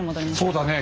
そうだね。